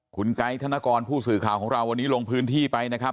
คุณไกด์ธนกรผู้สื่อข่าวของเราวันนี้ลงพื้นที่ไปนะครับ